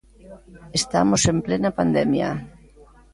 Estamos en plena pandemia.